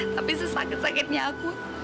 tapi sesakit sakitnya aku